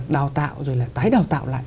đào tạo rồi là tái đào tạo lại